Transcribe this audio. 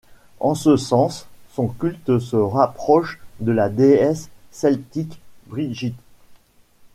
En ce sens, son culte se rapproche de la déesse celtique Brigit.